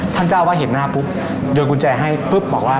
มันก็จะให้รสชาติแบบว่าให้รสชาติแบบว่า